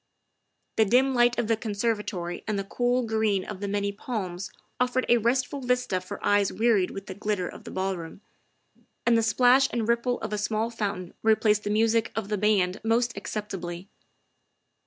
The dim light of the conservatory and the cool green of many palms offered a restful vista for eyes wearied with the glitter of the ballroom, and the splash and ripple of a small fountain replaced the music of the band most acceptably.